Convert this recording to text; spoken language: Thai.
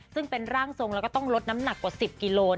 ซึ่งเป็นร่างทรงแล้วก็ต้องลดน้ำหนักกว่า๑๐กิโล